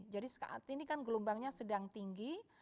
jadi ini kan gelombangnya sedang tinggi